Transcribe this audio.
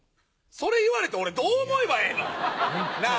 それ言われて俺どう思えばええの？なぁ！